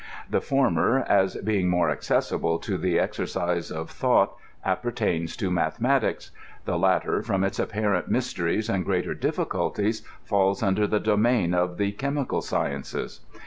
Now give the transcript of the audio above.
The former, as being more accessible to the exer cise of thought, appertains to mathematics ; the latter, from its apparent mysteries and greater difficulties, falls under the domain of the chemical sciences.